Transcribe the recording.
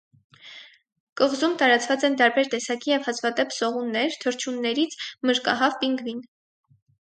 Կղում տարածված են տարբեր տեսակի և հազվադեպ սողուններ՝, թռչուններից՝ մրրկահավ, պինգվին։